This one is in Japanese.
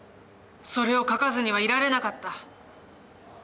それを書かずにはいられなかった。